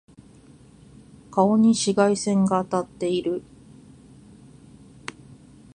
顔に紫外線が当たってる。